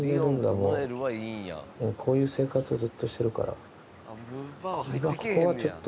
もうこういう生活をずっとしてるから。